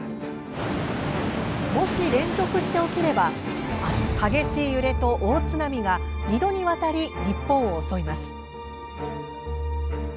もし連続して起きれば激しい揺れと大津波が２度にわたり日本を襲います。